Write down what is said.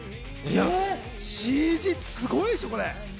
ＣＧすごいでしょ？